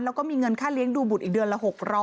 แล้วก็มีเงินค่าเลี้ยงดูบุตรอีกเดือนละ๖๐๐